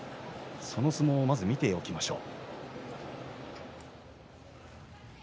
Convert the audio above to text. その相撲を見ておきましょう。